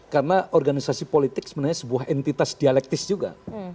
karena organisasi politik sebenarnya sebuah entitas dialektis juga